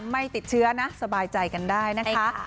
ไม่ติดเชื้อนะสบายใจกันได้นะคะ